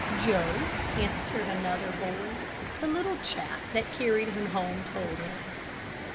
"Joe," answered another boy. "The little chap that carried him home told him."